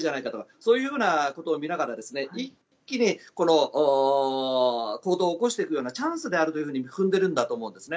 そういうことを見ながら一気にこの行動を起こしていくようなチャンスであると踏んでるんだと思うんですね。